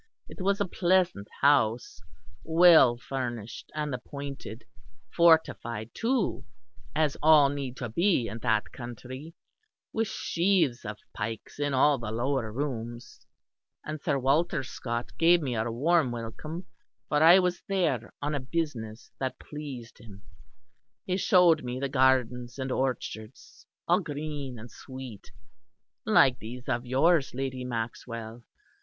It was a pleasant house, well furnished and appointed; fortified, too, as all need to be in that country, with sheaves of pikes in all the lower rooms, and Sir Walter Scott gave me a warm welcome, for I was there on a business that pleased him. He showed me the gardens and orchards, all green and sweet, like these of yours, Lady Maxwell.